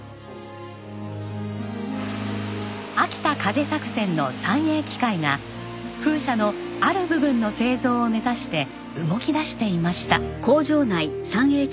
秋田風作戦の三栄機械が風車のある部分の製造を目指して動きだしていました。